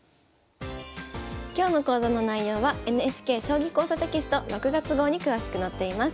今日の講座の内容はＮＨＫ「将棋講座」テキスト６月号に詳しく載っています。